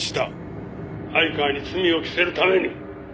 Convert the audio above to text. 「相川に罪を着せるために」